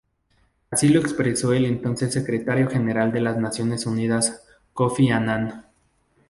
Así lo expresó el entonces Secretario General de las Naciones Unidas, Kofi Annan.